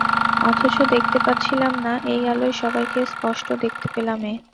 অথচ দেখতে পাচ্ছিলাম না, এই আলোয় সবাইকে স্পষ্ট দেখতে পেলাম-এ।